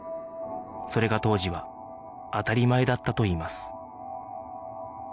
それが当時は当たり前だったといいます